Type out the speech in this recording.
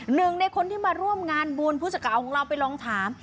หนึ่งในคนที่มาร่วมงานบุญผู้สักข่าวของเราไปลองถาม